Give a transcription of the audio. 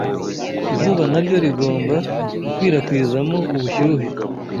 izuba naryo rigomba gukwirakwizamo ubushyuhe